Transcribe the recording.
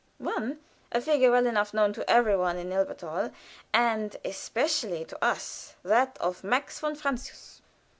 One, a figure well enough known to every one in Elberthal, and especially to us that of Max von Francius.